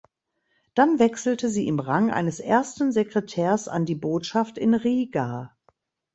Dann wechselte sie im Rang eines Ersten Sekretärs an die Botschaft in Riga.